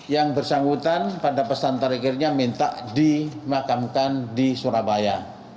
yang bersangkutan pada pesan terakhirnya minta dimakamkan di surabaya